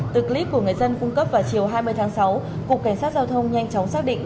từ clip của người dân cung cấp vào chiều hai mươi tháng sáu cục cảnh sát giao thông nhanh chóng xác định